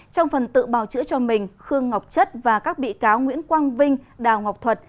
trong phần tự bào chữa cho mình khương ngọc chất và các bị cáo nguyễn quang vinh đào ngọc thuật